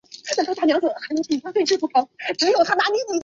从古代开始埃及的文明就依靠尼罗河而形成和兴旺。